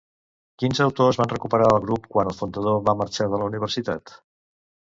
Quins autors van recuperar el grup quan el fundador va marxar de la universitat?